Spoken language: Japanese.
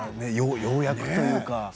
ようやくというか。